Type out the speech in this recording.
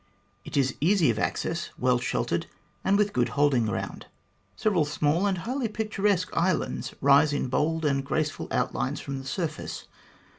It is easy of access, well sheltered, and with good holding ground. Several small and highly picturesque islands rise in bold and graceful outlines from the surface.